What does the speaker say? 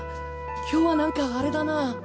今日はなんかあれだな。